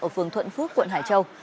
ở phường thuận phước quận hải châu